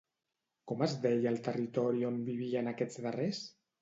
Com es deia el territori on vivien aquests darrers?